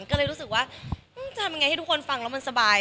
ก็เลยรู้สึกว่าจะทำยังไงให้ทุกคนฟังแล้วมันสบาย